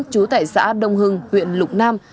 chú tại xã đông hưng huyện lục nam